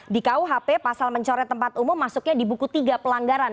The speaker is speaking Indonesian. di kuhp pasal mencoret tempat umum masuknya di buku tiga pelanggaran